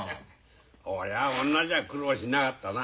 俺は女じゃ苦労しなかったな。